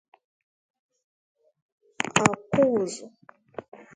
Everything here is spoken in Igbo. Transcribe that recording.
Awkụzụ